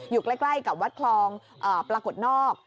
อยู่ใกล้กับวัดคลองปรากฏนอก